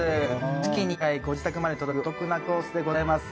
月に１回ご自宅まで届くお得なコースでございます。